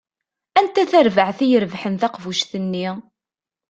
Anta tarbaɛt i irebḥen taqbuct-nni?